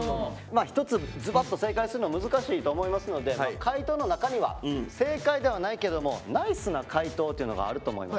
一つずばっと正解するのは難しいと思いますので回答の中には正解ではないけどもナイスな回答というのがあると思います。